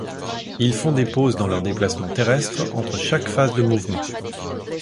Ils font des pauses dans leur déplacement terrestre entre chaque phase de mouvement.